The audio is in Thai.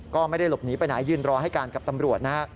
ก็ไม่ได้หลบหนีไปไหนยืนรอให้การกับตำรวจนะฮะ